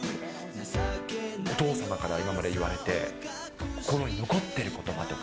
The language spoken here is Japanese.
お父さんから今まで言われて、心に残ってることばとか。